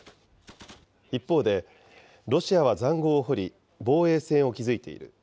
一方で、ロシアはざんごうを掘り、防衛線を築いている。